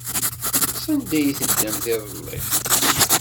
Sanda ay teddamt iḍelli?